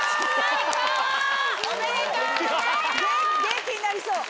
元気になりそう！